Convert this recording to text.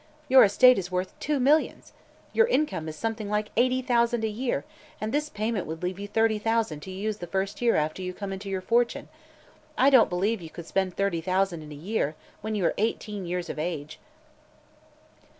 Your estate is worth two millions. Your income is something like eighty thousand a year, and this payment would leave you thirty thousand to use the first year after you come into your fortune. I don't believe you could spend thirty thousand in a year, when you are eighteen years of age."